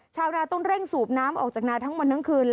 ชาวนาต้องเร่งสูบน้ำออกจากนาทั้งวันทั้งคืน